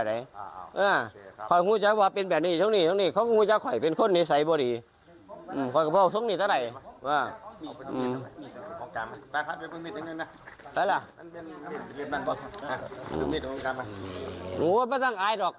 ลูกไม่ชังอายหรอกครับปล่อยธรรมชาติหล่น